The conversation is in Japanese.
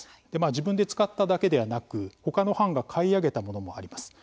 自分で使っただけではなくほかの藩が買い上げたものもあります。